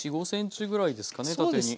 ４５ｃｍぐらいですかね縦に。